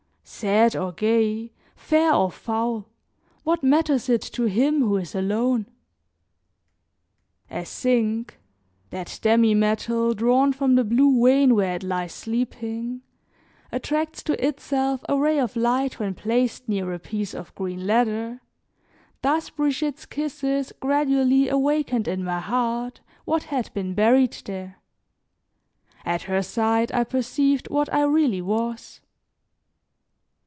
Sad or gay, fair or foul, what matters it to him who is alone? As zinc, that demi metal, drawn from the blue vein where it lies sleeping, attracts to itself a ray of light when placed near a piece of green leather, thus Brigitte's kisses gradually awakened in my heart what had been buried there. At her side I perceived what I really was.